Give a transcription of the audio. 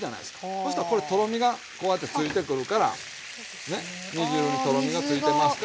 そしたらこれとろみがこうやってついてくるからね煮汁にとろみがついてますから。